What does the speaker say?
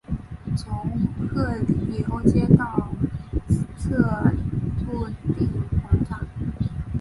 从赫里欧街到策肋定广场。